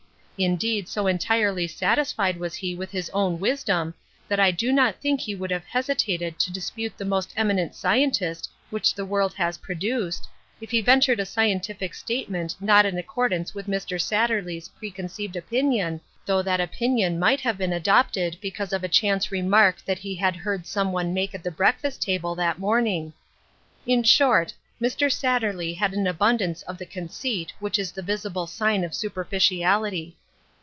Indeed, so entirely sat isfied was he with his own wisdom, that I do not think he would have hesitated to dispute the most eminent scientist which the world has produced, if he ventured a scientific statement not in accord 158 THE WISDOM OF THIS WORLD. ance with Mr. Satterley's preconceived opinion, though that opinion might have been adopted because of a chance remark that he had heard some one make at the breakfast table that morn ing. In short, Mr. Satterley had an abundance of the conceit which is the visible sign of superfici ality.